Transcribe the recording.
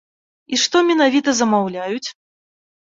І што менавіта замаўляюць?